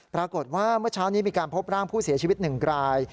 ปรากฏว่าเมื่อเช้านี้มีการพบร่างผู้เสียชีวิตหนึ่งกลาย